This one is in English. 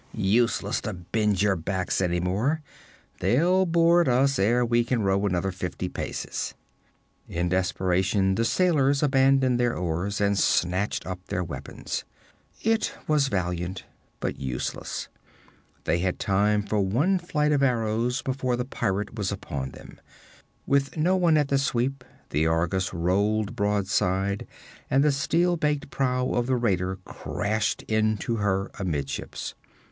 Useless to bend your backs any more: they'll board us ere we can row another fifty paces!' In desperation the sailors abandoned their oars and snatched up their weapons. It was valiant, but useless. They had time for one flight of arrows before the pirate was upon them. With no one at the sweep, the Argus rolled broadside, and the steel baked prow of the raider crashed into her amidships.